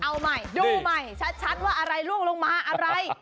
เอาใหม่ดูใหม่ชัดว่าอะไรล่วงลงมาอะไร